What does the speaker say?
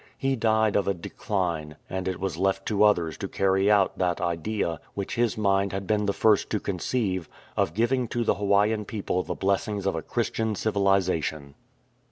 He died of a decline, and it was left to others to carry out that idea, which his mind had been the first to conceive, of giving to the Hawaiian people the blessings of a Christian civilization.